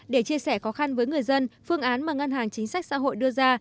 để chia sẻ khó khăn với người dân phương án mà ngân hàng chính sách xã hội đưa ra